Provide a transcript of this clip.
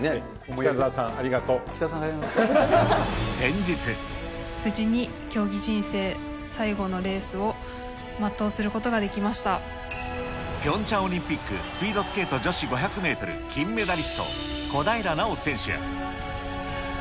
無事に競技人生最後のレースピョンチャンオリンピック、スピードスケート女子５００メートル金メダリスト、小平奈緒選手や。